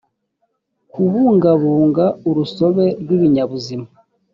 kubungabunga urusobe rw ibinyabuzima